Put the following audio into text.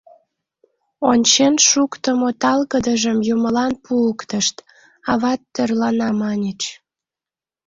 Ончен шуктымо талгыдыжым юмылан пуыктышт, ават тӧрлана маньыч.